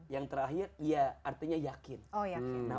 yang terakhir artinya yakin